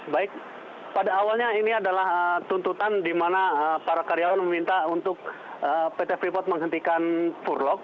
baik pada awalnya ini adalah tuntutan di mana para karyawan meminta untuk pt freeport menghentikan furlog